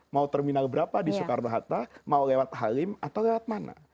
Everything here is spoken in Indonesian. mau terminal berapa di soekarno hatta mau lewat halim atau lewat mana